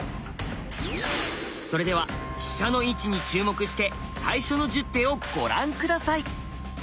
それでは飛車の位置に注目して最初の１０手をご覧下さい。